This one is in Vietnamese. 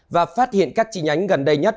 và phát hiện các chi nhánh gần đây nhất